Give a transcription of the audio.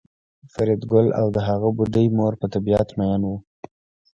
فریدګل او د هغه بوډۍ مور په طبیعت میئن وو